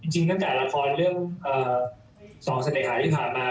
จริงทั้งแต่ละครเรื่อง๒สันเนษฐภาพที่ผ่ามา